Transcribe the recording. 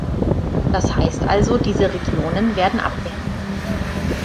Das heißt also, diese Regionen werden abgehängt.